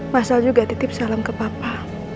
masa juga titip salam ke papa